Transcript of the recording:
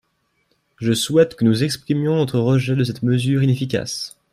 Je souhaite que nous exprimions notre rejet de cette mesure inefficace